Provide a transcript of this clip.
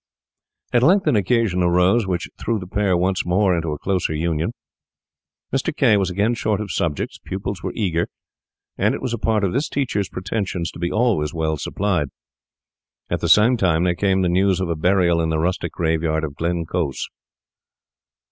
At length an occasion arose which threw the pair once more into a closer union. Mr. K— was again short of subjects; pupils were eager, and it was a part of this teacher's pretensions to be always well supplied. At the same time there came the news of a burial in the rustic graveyard of Glencorse.